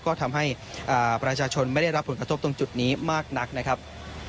ก็ทำให้ประชาชนไม่ได้รับผลกระทบตรงจุดนี้มากนักนะครับ